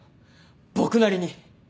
僕なりに。